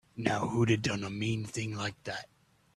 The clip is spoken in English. Now who'da done a mean thing like that?